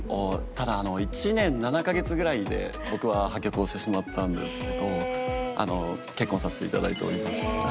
ただ１年７カ月ぐらいで僕は破局をしてしまったんですけど結婚させていただいておりました。